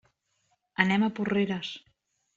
Anem a Porreres.